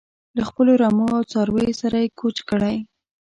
له خپلو رمو او څارویو سره یې کوچ کړی.